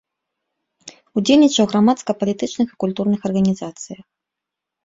Удзельнічаў грамадска-палітычных і культурных арганізацыях.